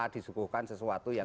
disuduhkan sesuatu yang